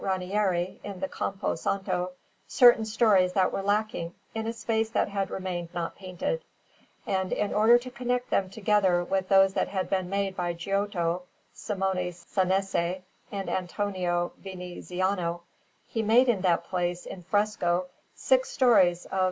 Ranieri in the Campo Santo, certain stories that were lacking in a space that had remained not painted; and in order to connect them together with those that had been made by Giotto, Simone Sanese, and Antonio Viniziano, he made in that place, in fresco, six stories of S.